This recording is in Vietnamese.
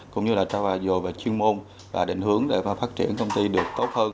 cũng như là trao dòi về chuyên môn và định hướng để phát triển công ty được tốt hơn